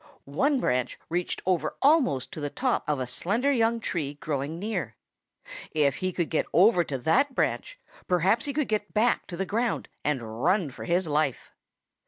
One branch reached over almost to the top of a slender young tree growing near. If he could get over into that tree, perhaps he could get back to the ground and run for his life.